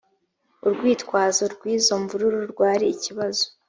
urwitwazo rwizo mvururu rwari ikibazo